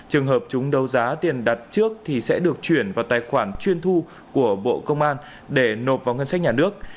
trường hợp chúng đấu giá tiền đặt trước thì sẽ được chuyển vào tài khoản chuyên thu của bộ công an để nộp vào ngân sách nhà nước